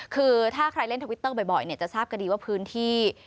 คือถ้าใครเล่นทวิตเตอร์บ่อยจะทราบกันดีว่าพื้นที่